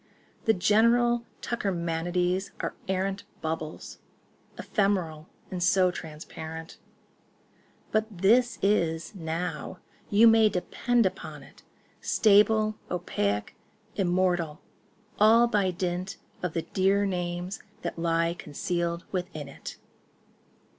The general tuckermanities are arrant Bubbles—ephemeral and so transparent— But this is, now,—you may depend upon it— Stable, opaque, immortal—all by dint Of the dear names that lie concealed within 't.